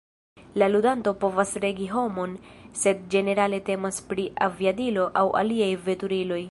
La ludanto povas regi homon sed ĝenerale temas pri aviadilo aŭ aliaj veturiloj.